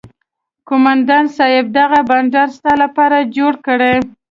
قومندان صايب دغه بنډار ستا لپاره جوړ کړى.